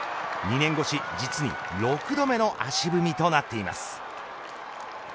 ２年越し、実に６度目の足踏みとなっています。